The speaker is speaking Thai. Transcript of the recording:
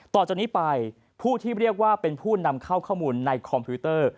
ต่อจากนี้ไปผู้ที่เรียกว่าเป็นผู้นำเข้าข้อมูลในคอมพิวเตอร์